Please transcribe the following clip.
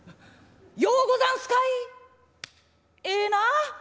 『ようござんすかい！？』。ええな！